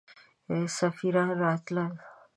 سفیران راتلل.